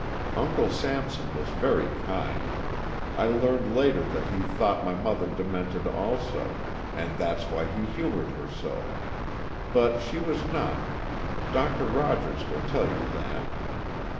Uncle Sampson was very kind; I learned later that he thought my mother demented also and that's why he humoured her so. But she was not, Doctor Rogers will tell you that.